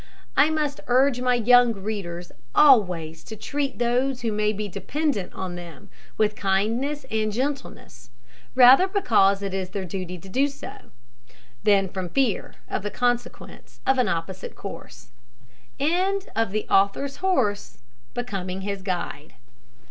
I must urge my young readers always to treat those who may be dependent on them with kindness and gentleness, rather because it is their duty so to do, than from fear of the consequences of an opposite course.